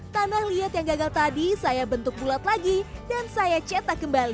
tanah liat yang gagal tadi saya bentuk bulat lagi dan saya cetak kembali